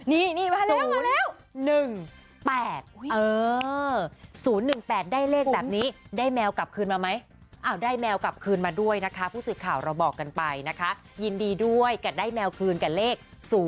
นี่มาแล้ว๑๘๐๑๘ได้เลขแบบนี้ได้แมวกลับคืนมาไหมได้แมวกลับคืนมาด้วยนะคะผู้สื่อข่าวเราบอกกันไปนะคะยินดีด้วยกับได้แมวคืนกับเลข๐๘